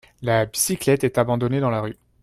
La bicyclette est abandonnée dans la rue